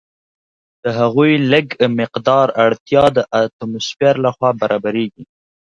د هغوی لږ مقدار اړتیا د اټموسفیر لخوا برابریږي.